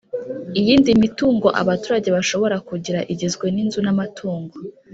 iyindi mitungo abaturage bashobora kugira igizwe n'inzu n'amatungo.